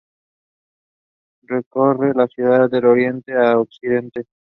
Recorre la ciudad de Oriente a Occidente.